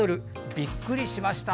びっくりしました。